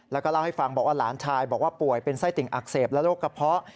แล้วก็เล่าให้ฟังบอกว่าหลานชายบอกว่าป่วยเป็นไส้ติ่งอักเสบและโรคกระเพาะ